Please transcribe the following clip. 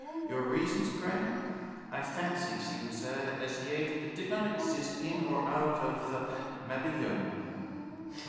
Your reasons, pray? —I fancy, Stephen said as he ate, it did not exist in or out of the Mabinogion.